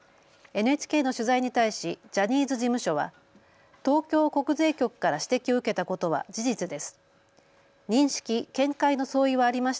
ＮＨＫの取材に対しジャニーズ事務所は東京国税局から指摘を受けたことは事実です。